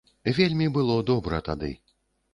Вельмі было добра тады.